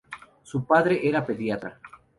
Su padre era pediatra.